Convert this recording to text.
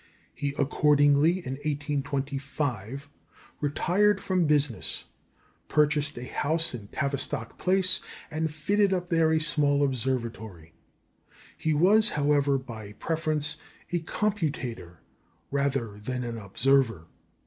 He accordingly in 1825 retired from business, purchased a house in Tavistock Place, and fitted up there a small observatory. He was, however, by preference a computator rather than an observer.